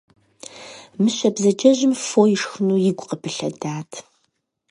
Мыщэ бзаджэжьым фо ишхыну игу къыпылъэдат.